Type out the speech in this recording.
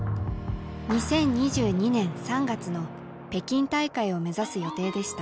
２０２２年３月の北京大会を目指す予定でした。